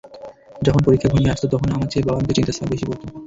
যখন পরীক্ষা ঘনিয়ে আসত তখন আমার চেয়ে বাবার মুখে চিন্তার ছাপ বেশি পড়ত।